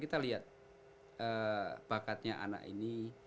kita lihat bakatnya anak ini